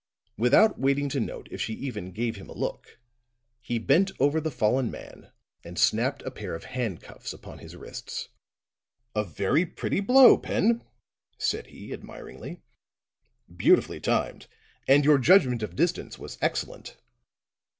Without waiting to note if she even gave him a look, he bent over the fallen man and snapped a pair of handcuffs upon his wrists. "A very pretty blow, Pen," said he, admiringly. "Beautifully timed, and your judgment of distance was excellent."